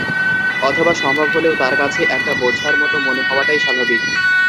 অথবা সম্ভব হলেও তার কাছে একটা বোঝার মতো মনে হওয়াটাই স্বাভাবিক।